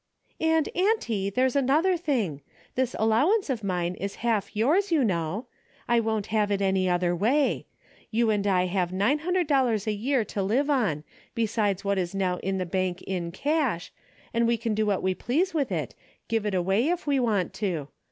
"And auntie, there's another thing; this allowance of mine is half yours you know. I won't have it any other way. You and I have nine hundred dollars a year to live on, besides what is now in the bank in cash, and we can do what we please with it, give it 178 A DAILY RATE:^ away if we want to.